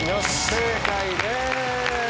正解です！